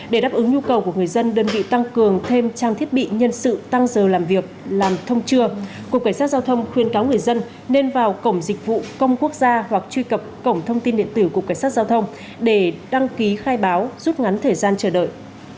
để đáp ứng nhu cầu của người dân đơn vị tăng cường thêm trang thiết bị nhân sự tăng giờ làm việc làm thông trưa cục cảnh sát giao thông khuyên cáo người dân nên vào cổng dịch vụ công quốc gia hoặc truy cập cổng thông tin điện tử cục cảnh sát giao thông để đăng ký khai báo rút ngắn thời gian chờ đợi